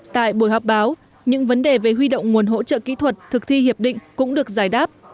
tại buổi họp báo những vấn đề về huy động nguồn hỗ trợ kỹ thuật thực thi hiệp định cũng được giải đáp